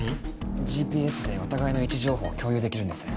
ＧＰＳでお互いの位置情報を共有できるんです。